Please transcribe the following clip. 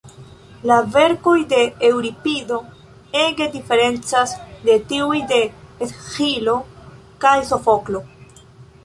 La verkoj de Eŭripido ege diferencas de tiuj de Esĥilo kaj Sofoklo.